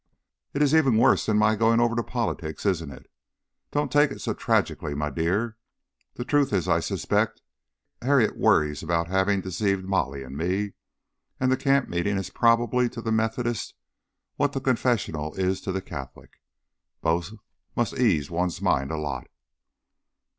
"It is even worse than my going over to politics, isn't it? Don't take it so tragically, my dear. The truth is, I suspect, Harriet worries about having deceived Molly and me, and the camp meeting is probably to the Methodist what the confessional is to the Catholic. Both must ease one's mind a lot."